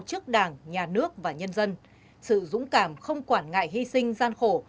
trước đảng nhà nước và nhân dân sự dũng cảm không quản ngại hy sinh gian khổ